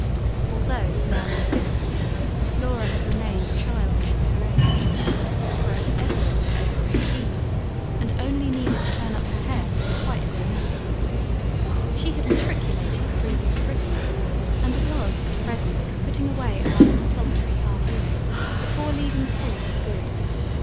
Although now in the fifth form, Laura had remained childish for her age: whereas Evelyn was over eighteen, and only needed to turn up her hair to be quite grown up. She had matriculated the previous Christmas, and was at present putting away a rather desultory half year, before leaving school for good.